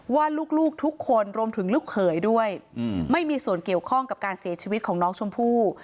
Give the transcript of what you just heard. ว่าลูกทุกคนรวมถึงลูกเขยด้วยไม่มีส่วนเกี่ยวข้องกับการเสียชีวิตของน้องชมพู่